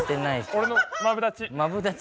俺のマブダチ。